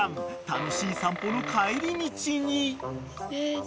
楽しい散歩の帰り道に］